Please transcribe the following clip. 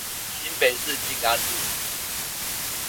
新北市靜安路